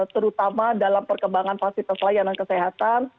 terutama dalam perkembangan fasilitas layanan kesehatan